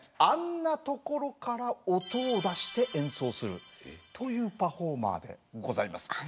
あんなところから音を出して演奏するというパフォーマーでございます。